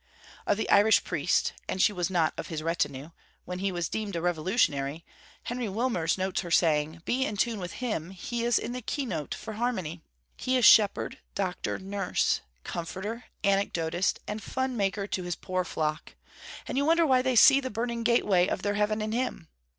Of the Irish priest (and she was not of his retinue), when he was deemed a revolutionary, Henry Wilmers notes her saying: 'Be in tune with him; he is in the key note for harmony. He is shepherd, doctor, nurse, comforter, anecdotist and fun maker to his poor flock; and you wonder they see the burning gateway of their heaven in him?